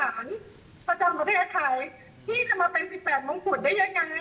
ที่ถึงกับเป็นบอร์ดมริหารประจำประเทศไทยที่จะมาเป็น๑๘มงกุฎได้ยังไง